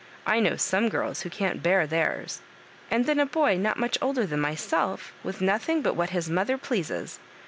I know some girls who can't bear theirs ; and then a boy not much older than myself, with nothing but what his mother pleases!